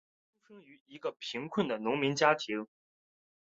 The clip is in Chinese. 郭坚出生于一个贫苦的农民家庭。